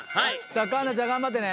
環奈ちゃん頑張ってね